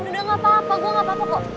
udah gak apa apa gue gak apa apa kok